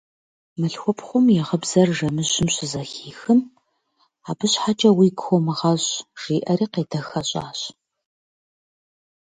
Мылъхупхъум и гъыбзэр жэмыжьым щызэхихым: – Абы щхьэкӀэ уигу хомыгъэщӀ, – жиӀэри къедэхэщӀащ.